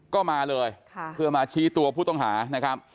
ก็มาเลยเพื่อมาชี้ตัวผู้ต้องหานะครับ